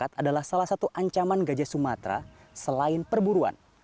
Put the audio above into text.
adalah salah satu ancaman gajah sumatera selain perburuan